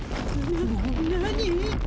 な何？